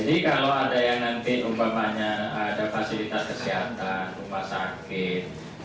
jadi kalau ada yang nanti umpamanya ada fasilitas kesehatan rumah sakit